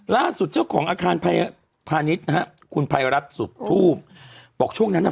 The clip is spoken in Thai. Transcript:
ล่าสุดเจ้าของอาคารพายพาณิชย์นะฮะคุณภัยรัฐสุขทูบบอกช่วงนั้นอ่ะ